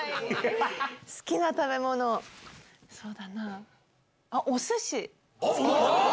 好きな食べ物そうだなぁ。